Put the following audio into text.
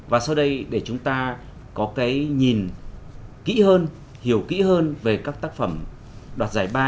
và sau đây để chúng ta có cái nhìn kỹ hơn hiểu kỹ hơn về các tác phẩm đoạt giải ba